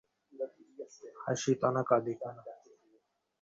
হাসিত না, কাঁদিত না।